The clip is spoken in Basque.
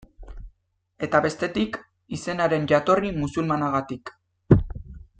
Eta bestetik, izenaren jatorri musulmanagatik.